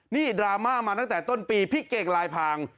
นี่ดราม่ามาตั้งแต่ต้นปีพี่เก่งลายพาง